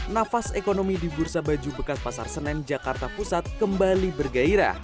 nafas ekonomi di bursa baju bekas pasar senen jakarta pusat kembali bergairah